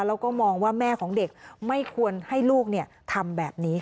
แล้วก็มองว่าแม่ของเด็กไม่ควรให้ลูกทำแบบนี้ค่ะ